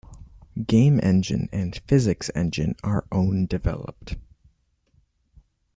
Game engine and physics engine are own developed.